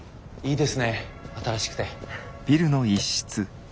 いいですね新しくて。